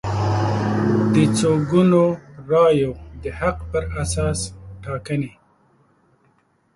د څو ګونو رایو د حق پر اساس ټاکنې